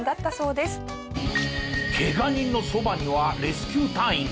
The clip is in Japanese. ケガ人のそばにはレスキュー隊員が。